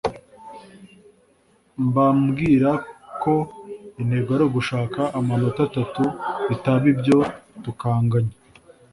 Mbambwira ko intego ari ugushaka amanota atatu bitaba ibyo tukanganya